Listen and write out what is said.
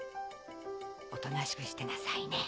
おとなしくしてなさいね。